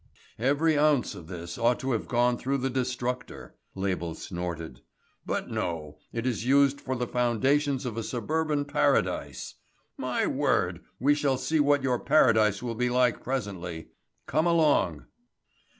"Every ounce of this ought to have gone through the destructor," Label snorted. "But no, it is used for the foundations of a suburban paradise. My word, we shall see what your paradise will be like presently. Come along."